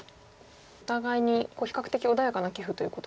お互いに比較的穏やかな棋風ということで。